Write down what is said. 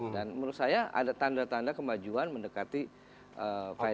dan menurut saya ada tanda tanda kemajuan mendekati final